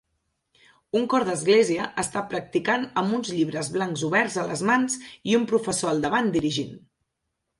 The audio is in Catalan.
Un cor d'església està practicant amb uns llibres blancs oberts a les mans i un professor al davant dirigint.